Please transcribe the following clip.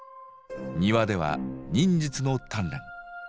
庭では忍術の鍛錬。